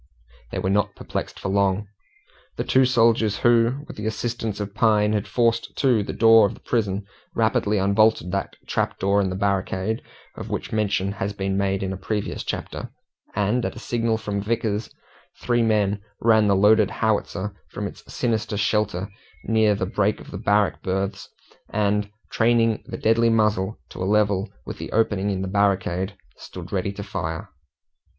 They were not perplexed for long. The two soldiers who, with the assistance of Pine, had forced to the door of the prison, rapidly unbolted that trap door in the barricade, of which mention has been made in a previous chapter, and, at a signal from Vickers, three men ran the loaded howitzer from its sinister shelter near the break of the barrack berths, and, training the deadly muzzle to a level with the opening in the barricade, stood ready to fire.